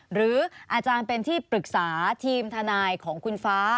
หรืออาจารย์เป็นที่ปรึกษาทีมทนายของคุณฟ้า